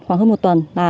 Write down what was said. khoảng hơn một tuần